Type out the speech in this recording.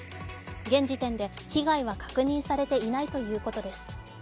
現時点で被害は確認されていないということです。